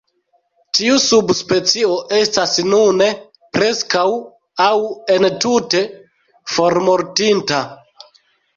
Tiu subspecio estas nune "preskaŭ aŭ entute formortinta".